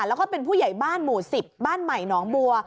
แล้วก็เป็นผู้ใหญ่บ้านหมู่๑๐บ้านใหม่หนองบัว